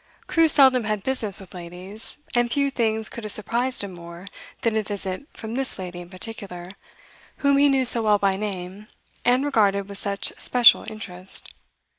Crewe seldom had business with ladies, and few things could have surprised him more than a visit from this lady in particular, whom he knew so well by name, and regarded with such special interest.